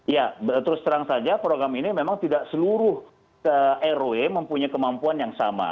ya terus terang saja program ini memang tidak seluruh rw mempunyai kemampuan yang sama